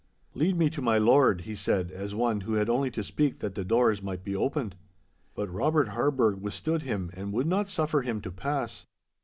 'Lead me to my lord!' he said, as one who had only to speak that the doors might be opened. But Robert Harburgh withstood him and would not suffer him to pass.